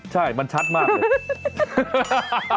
ใช่มันชัดมากเลย